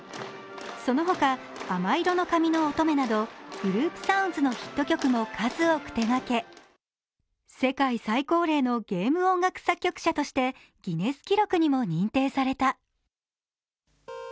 そのほか「亜麻色の髪の乙女」などグループサウンズのヒット曲も数多く手がけ、世界最高齢のゲーム音楽作曲者としてギネス記録にも認定された。